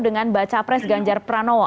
dengan baca pres ganjar pranowo